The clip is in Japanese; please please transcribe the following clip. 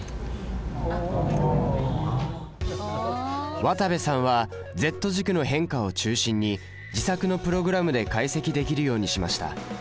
渡部さんはＺ軸の変化を中心に自作のプログラムで解析できるようにしました。